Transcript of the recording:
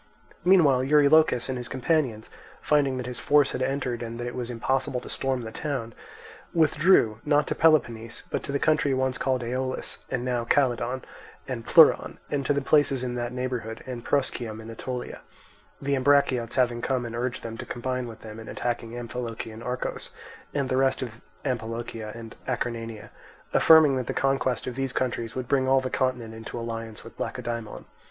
Meanwhile Eurylochus and his companions, finding that this force had entered and that it was impossible to storm the town, withdrew, not to Peloponnese, but to the country once called Aeolis, and now Calydon and Pleuron, and to the places in that neighbourhood, and Proschium in Aetolia; the Ambraciots having come and urged them to combine with them in attacking Amphilochian Argos and the rest of Amphilochia and Acarnania; affirming that the conquest of these countries would bring all the continent into alliance with Lacedaemon.